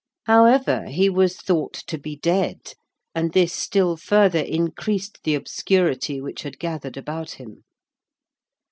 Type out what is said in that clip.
However, he was thought to be dead, and this still further increased the obscurity which had gathered about him.